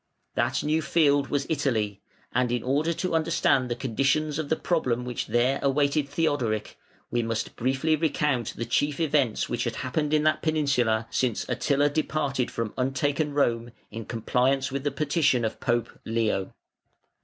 That new field was Italy, and in order to understand the conditions of the problem which there awaited Theodoric, we must briefly recount the chief events which had happened in that peninsula since Attila departed from untaken Rome in compliance with the petition of Pope Leo.